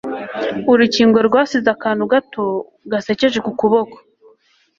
Urukingo rwasize akantu gato gasekeje ku kuboko